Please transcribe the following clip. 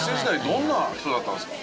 どんな人だったんですか？